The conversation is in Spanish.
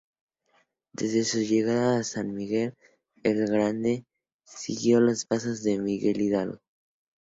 Desde su llegada a San Miguel El Grande, siguió los pasos de Miguel Hidalgo.